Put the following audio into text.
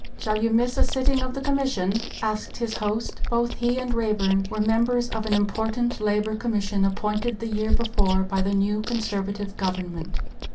"Shall you miss a sitting of the commission?" asked his host. Both he and Raeburn were members of an important Labour Commission appointed the year before by the new Conservative government.